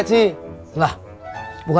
tuh tuh tuh